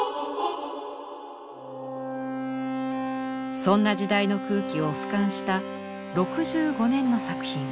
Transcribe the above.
そんな時代の空気を俯瞰した６５年の作品。